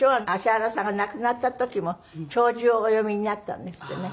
葦原さんが亡くなった時も弔辞をお読みになったんですってね。